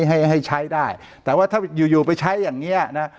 ขอให้ใช้ได้แต่ว่าถ้าอยู่ไปใช้อย่างนี้นะ